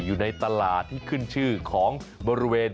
อยู่ในตลาดที่ขึ้นชื่อของบริเวณ